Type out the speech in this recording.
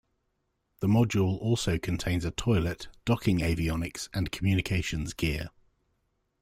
The module also contains a toilet, docking avionics and communications gear.